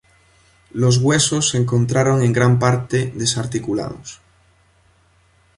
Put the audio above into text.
Los huesos se encontraron en gran parte desarticulados.